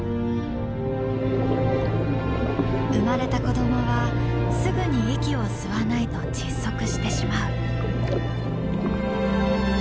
生まれた子どもはすぐに息を吸わないと窒息してしまう。